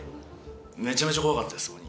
めちゃめちゃ怖かったです鬼。